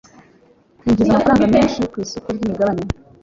yinjiza amafaranga menshi ku isoko ryimigabane